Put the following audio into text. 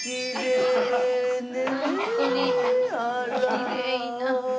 きれいな。